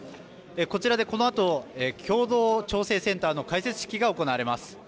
こちらで、このあと共同調整センターの開設式が行われます。